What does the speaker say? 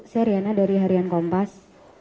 saya riana dari harian kompas